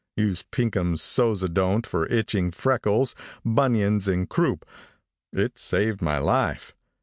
Use Pinkham's Sozodont for itching, freckles, bunions and croup. It saved my life.